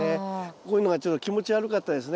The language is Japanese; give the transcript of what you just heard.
こういうのがちょっと気持ち悪かったらですね